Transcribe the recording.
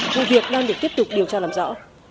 nguy hiểm đang được tiếp tục điều tra làm rõ